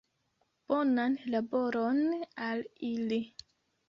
Bonan laboron al ili!